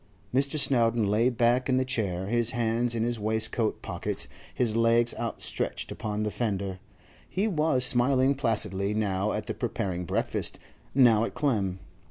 Mr. Snowdon lay back in the chair, his hands in his waistcoat pockets, his legs outstretched upon the fender. He was smiling placidly, now at the preparing breakfast, now at Clem.